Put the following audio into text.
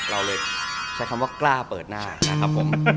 เราเลยใช้คำว่ากล้าเปิดหน้านะครับผม